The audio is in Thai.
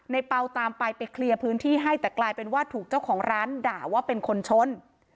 เปล่าตามไปไปเคลียร์พื้นที่ให้แต่กลายเป็นว่าถูกเจ้าของร้านด่าว่าเป็นคนชน